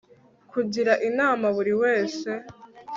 kugira inama buri wese